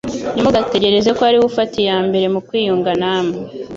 Ntimugategereze ko ari we ufata iya mbere mu kwiyunga namwe.